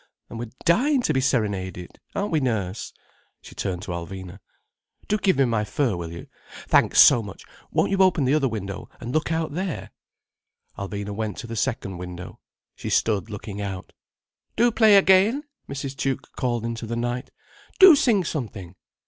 And we're dying to be serenaded, aren't we, nurse?" She turned to Alvina. "Do give me my fur, will you? Thanks so much. Won't you open the other window and look out there—?" Alvina went to the second window. She stood looking out. "Do play again!" Mrs. Tuke called into the night. "Do sing something."